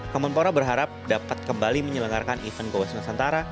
kemenpora berharap dapat kembali menyelenggarkan event go west nusantara